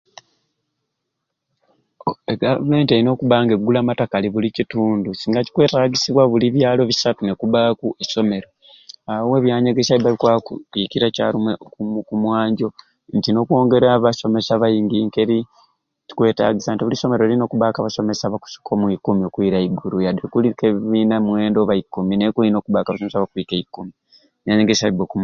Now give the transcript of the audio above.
E government eyina okuba nga ekugula amatakali buli kitundu singa kikwetagisibwa buli byalo bisatu nekubaku esomero awo ebyanyegesya biba bikwaba kwikira kyarumwei oku mwanjo nti nokongera abasomesa abangi kyikwetagisya nti buli somero lirina okubaku abasomesa abakusoba omwikumi okwira eyigulu wadde kuliku ebibiina mwenda oba ikumi naye kuyina okubaku abasomesa abakwika eikumi ebyanyegesya biba oku